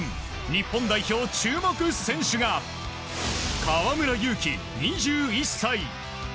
日本代表、注目選手が河村勇輝、２１歳。